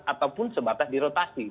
ataupun sebatas dirotasi